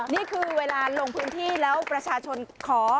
นี่คือเวลาลงพื้นที่แล้วประชาชนขอ